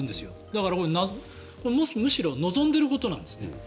だから、むしろ望んでいることなんですね。